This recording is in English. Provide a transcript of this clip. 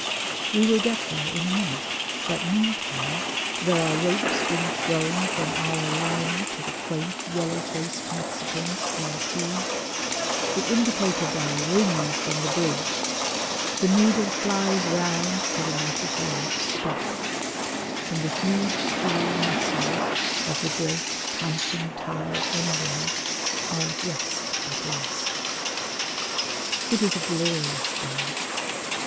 We will get there in a minute, but meantime there are ropes being thrown from our liner to the quaint yellow faced Mexicans on the quay; the indicator bell rings from the bridge, the needle flies round to the magic word "Stop," and the huge steel muscles of the great panting, tired engines are at rest at last. It is a glorious day.